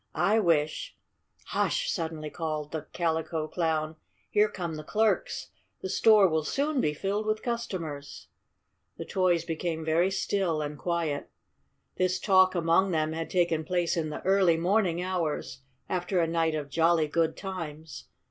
I wish " "Hush!" suddenly called the Calico Clown. "Here come the clerks. The store will soon be filled with customers." The toys became very still and quiet. This talk among them had taken place in the early morning hours, after a night of jolly good times.